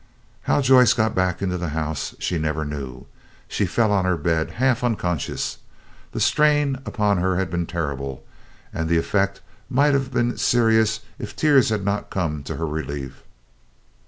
How Joyce got back into the house she never knew. She fell on her bed half unconscious. The strain upon her had been terrible, and the effect might have been serious if tears had not come to her relief.